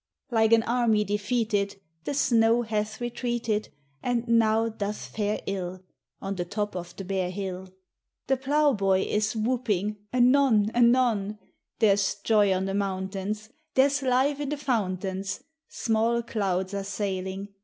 Like an army defeated The snow hath retreated, And now doth fare ill On the top of the bare hill; The ploughboy is whooping— anon— anon There's joy on the mountains; There's life in the fountains; Small clouds arc sailing.